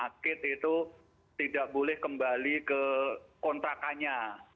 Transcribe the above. rumah sakit itu tidak boleh kembali ke kontrakannya